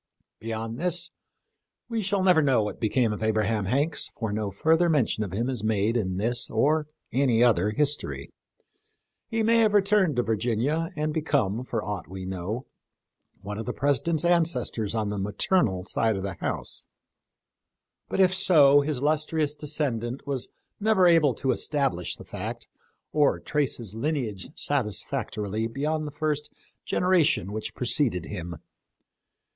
Beyond this we shall never know what became of Abraham Hanks, for no fur ther mention of him is made in this or any other history. He may have returned to Virginia and become, for aught we know, one of the President's ancestors on the maternal side of the house : but if THE LIFE OP LINCOLN. g SO his illustrious descendant was never able to estab lish the fact or trace his lineage satisfactorily beyond the first generation which preceded him.